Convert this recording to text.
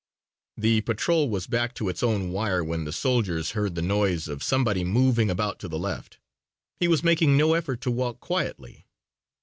The patrol was back to its own wire when the soldiers heard the noise of somebody moving about to the left. He was making no effort to walk quietly.